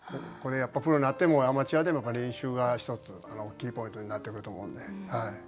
これやっぱりプロになってもアマチュアでも練習が一つキーポイントになってくると思うんで。